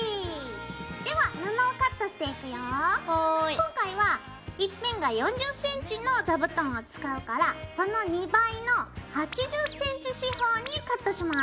今回は１辺が４０ｃｍの座布団を使うからその２倍の８０ｃｍ四方にカットします。